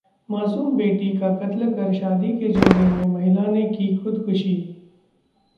मासूम बेटी का कत्ल कर शादी के जोड़े में महिला ने की खुदकुशी